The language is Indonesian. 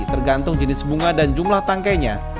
tergantung jenis bunga dan jumlah tangkainya